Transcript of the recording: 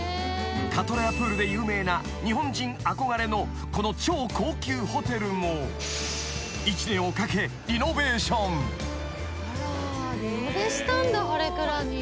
［カトレアプールで有名な日本人憧れのこの超高級ホテルも１年をかけリノベーション］ハレクラニ。